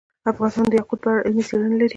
افغانستان د یاقوت په اړه علمي څېړنې لري.